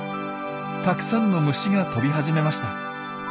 たくさんの虫が飛び始めました。